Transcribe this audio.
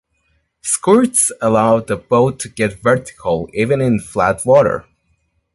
Squirts allowed the boats to get vertical even in flat water.